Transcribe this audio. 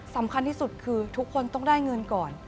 สำคัญที่สุดคือทุกคนต้องได้เงินก่อน